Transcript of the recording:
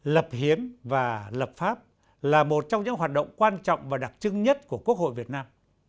lập hiến và lập pháp là một trong những hoạt động quan trọng và đặc trưng nhất của quốc hội việt nam